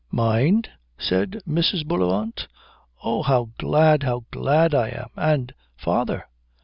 "Mind?" said Mrs. Bullivant. "Oh, how glad, how glad I am. And father?